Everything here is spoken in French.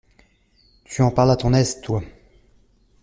Tu en parles à ton aise, toi !